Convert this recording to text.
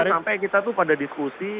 jangan sampai kita tuh pada diskusi